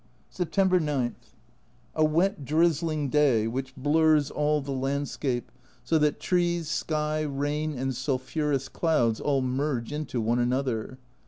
September 9. A wet drizzling day, which blurs all the landscape, so that trees, sky, rain and sulphurous clouds all merge into one another.